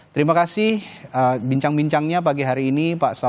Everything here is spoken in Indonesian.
terima kasih bincang bincangnya pagi hari ini pak